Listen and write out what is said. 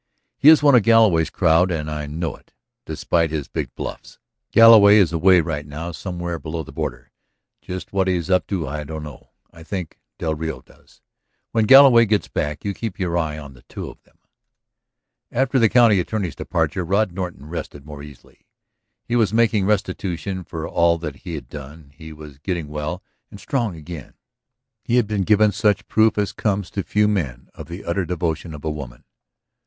He is one of Galloway's crowd and I know it, despite his big bluffs. Galloway is away right now, somewhere below the border. Just what he is up to I don't know. I think del Rio does. When Galloway gets back you keep your eye on the two of them." After the county attorney's departure Rod Norton rested more easily. He was making restitution for all that he had done, he was getting well and strong again, he had been given such proof as comes to few men of the utter devotion of a woman.